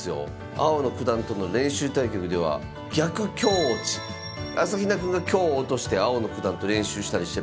青野九段との練習対局では逆香落ち朝比奈くんが香を落として青野九段と練習したりしてるそうです。